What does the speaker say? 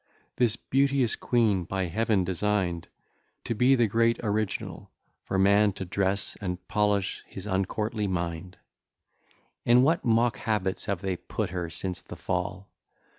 This beauteous queen, by Heaven design'd To be the great original For man to dress and polish his uncourtly mind, In what mock habits have they put her since the fall!